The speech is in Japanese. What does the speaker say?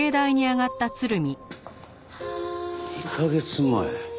２カ月前。